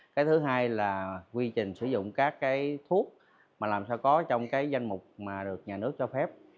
cái thứ hai là quy trình sử dụng các cái thuốc mà làm sao có trong cái danh mục mà được nhà nước cho phép